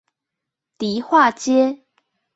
迪化街